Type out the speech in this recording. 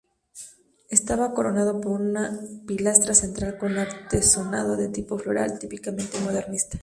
Estaba coronado por una pilastra central con artesonado de tipo floral, típicamente modernista.